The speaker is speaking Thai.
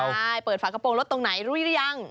ใช่เปิดฝากระโปรงรถตรงไหนรู้หรือยัง